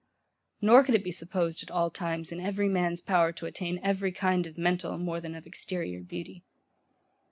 Nor could it be supposed, at all times, in every man's power to attain every kind of mental more than of exterior beauty.